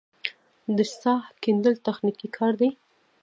د څاه کیندل تخنیکي کار دی